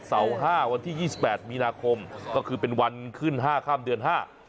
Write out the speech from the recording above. เสาร์๕วันที่๒๘มีนาคมก็คือเป็นวันขึ้น๕ค่ำเดือน๕